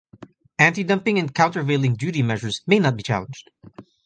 Antidumping and countervailing duty measures may not be challenged.